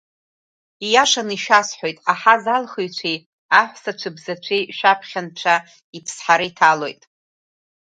Ииашаны ишәасҳәоит, аҳазалхыҩцәеи аҳәса цәыбзацәеи шәаԥхьа Анцәа Иԥсҳара иҭалоит.